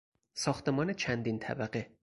ساختمان چندین طبقه